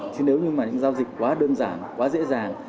chứ nếu như mà những giao dịch quá đơn giản quá dễ dàng